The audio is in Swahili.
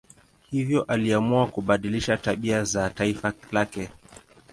Hivyo aliamua kubadilisha tabia za taifa lake.